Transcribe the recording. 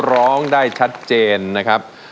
ร้องได้ชัดเจนนะครับ